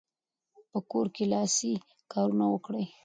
په کور کې لاسي کارونه وکړئ.